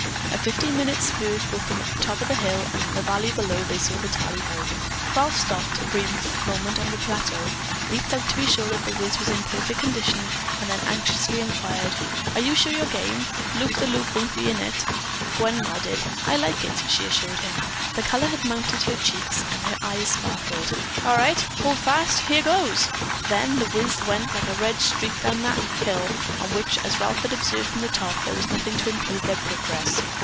A fifteen minute spurt brought them to the top of a hill and in the valley below they saw the tallyho. Ralph stopped a brief moment on the plateau, leaped out to be sure that The Whizz was in perfect condition, and then anxiously inquired, "Are you sure you're game? Loop the loop won't be in it." Gwen nodded. "I'll like it," she assured him. The color had mounted to her cheeks and her eyes sparkled. "All right! Hold fast! Here goes!" Then The Whizz went like a red streak down that hill on which, as Ralph had observed from the top, there was nothing to impede their progress.